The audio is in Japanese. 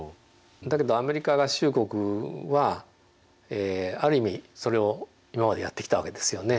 だけどアメリカ合衆国はある意味それを今までやってきたわけですよね。